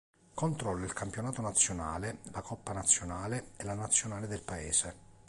Controlla il campionato nazionale, la coppa nazionale e la Nazionale del paese.